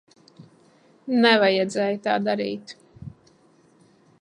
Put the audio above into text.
Nevajadzēja tā darīt.